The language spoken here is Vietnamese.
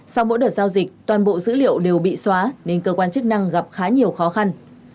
sau mỗi đợt giao dịch toàn bộ dữ liệu đều bị xóa nên cơ quan chức năng gặp khá nhiều khó khăn